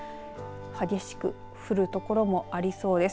激しく降るところもありそうです。